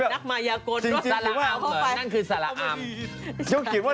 นักมายากล